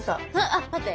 あっ待って。